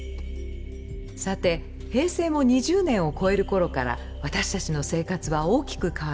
さて平成も２０年を超える頃から私たちの生活は大きく変わります。